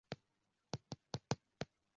瘦蛋白是一种新近发现的蛋白质荷尔蒙。